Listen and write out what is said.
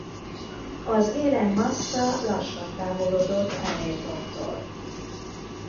Az élen Massa lassan távolodott Hamiltontól.